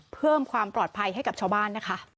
เพิ่มความปลอดภัยให้กับชาวบ้านนะคะ